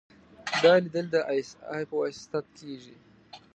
دا ليدل د ای اس ای په وساطت کېدل.